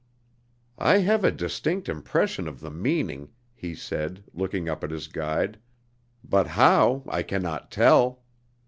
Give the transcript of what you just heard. "I have a distinct impression of the meaning," he said, looking up at his guide; "but how, I can not tell."